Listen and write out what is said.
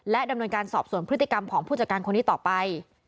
ดำเนินการสอบส่วนพฤติกรรมของผู้จัดการคนนี้ต่อไป